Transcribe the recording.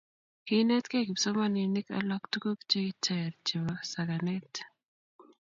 kiinetgei kipsomaninik alak tuguk che ter chebo sakanet